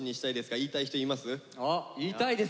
言いたい人います？